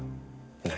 何？